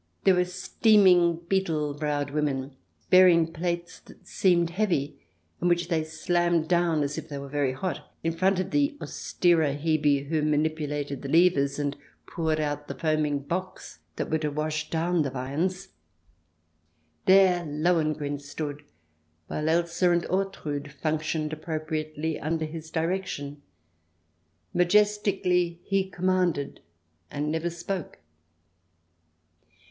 There were steaming, beetle browed women, bearing plates that seemed heavy, and which they slammed down as if they were very hot, in front of the austerer Hebe who manipulated the levers and poured out the foaming Bocks that were to wash down the viands. There Lohengrin stood, while Elsa and Ortrud functioned appropriately under his direction. Majestically he commanded and never spoke.